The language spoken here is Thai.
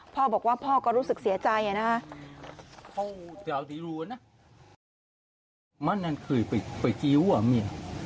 พ่อบอกว่าพ่อก็รู้สึกเสียใจนะฮะ